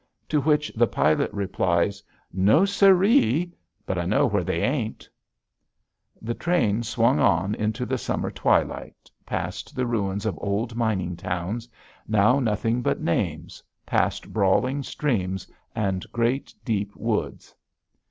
To which the pilot replies: "No, sir ee. But I know where they ain't." The train swung on into the summer twilight, past the ruins of old mining towns, now nothing but names, past brawling streams and great deep woods.